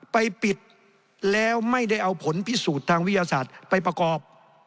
ไปปิดแล้วไม่ได้เอาผลพิสูจน์ทางวิทยาศาสตร์ไปประกอบ